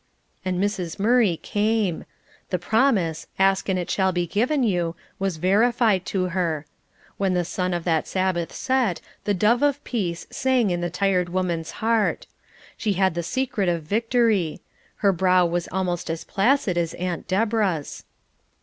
'" And Mrs. Murray came. The promise, "Ask and it shall be given you," was verified to her. When the sun of that Sabbath set, the dove of peace sang in the tired woman's heart. She had the secret of victory. Her brow was almost as placid as Aunt Deborah's.